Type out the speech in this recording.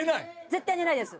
絶対寝ないです。